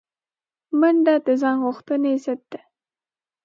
منډه د ځان غوښتنې ضد ده